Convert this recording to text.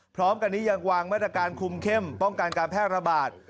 พร้อมกันนี้ยังวางมาตรการคุมเข้มป้องกันการแพร่ระบาด